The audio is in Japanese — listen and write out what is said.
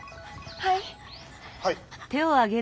はい。